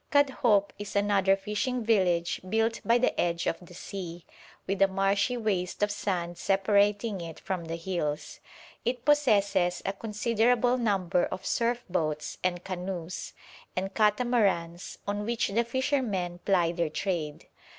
Kadhoup is another fishing village built by the edge of the sea, with a marshy waste of sand separating it from the hills; it possesses a considerable number of surf boats and canoes, and catamarans, on which the fishermen ply their trade.